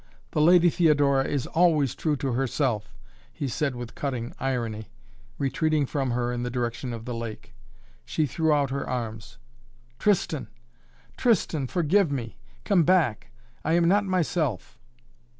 "The Lady Theodora is always true to herself," he said with cutting irony, retreating from her in the direction of the lake. She threw out her arms. "Tristan Tristan forgive me! Come back I am not myself."